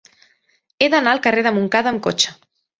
He d'anar al carrer de Montcada amb cotxe.